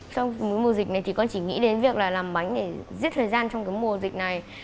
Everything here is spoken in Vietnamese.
trong mùa dịch này thì con chỉ nghĩ đến việc là làm bánh để giết thời gian trong cái mùa dịch này